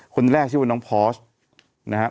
คนแรกชื่อว่าน้องพอสนะครับ